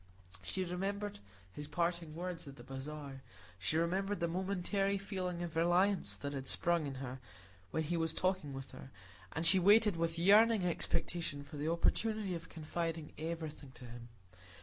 She remembered his parting words at the bazaar. She remembered the momentary feeling of reliance that had sprung in her when he was talking with her, and she waited with yearning expectation for the opportunity of confiding everything to him.